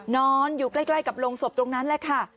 นอนอยู่ใกล้กับโรงศพตรงนั้นแหละค่ะ